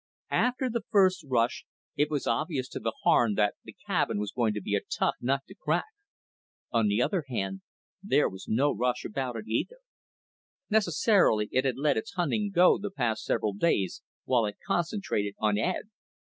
After the first rush, it was obvious to the Harn that the cabin was going to be a tough nut to crack. On the other hand, there was no rush about it either. Necessarily, it had let its hunting go the past several days while it concentrated on Ed.